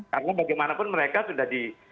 karena bagaimanapun mereka sudah di